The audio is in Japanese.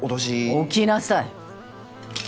置きなさい。